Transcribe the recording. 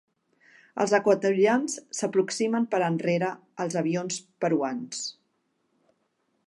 Els equatorians s'aproximen per enrere als avions peruans.